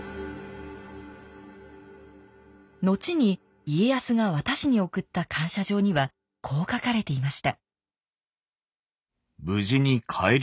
後に家康が和田氏に送った感謝状にはこう書かれていました